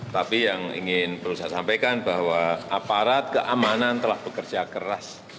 tapi yang ingin perlu saya sampaikan bahwa aparat keamanan telah bekerja keras